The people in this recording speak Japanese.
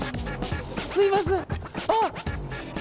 すみません。